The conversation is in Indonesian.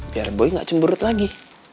biar boy gak cemberut lagi